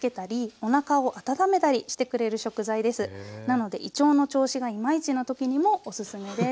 なので胃腸の調子がいまいちな時にもおすすめです。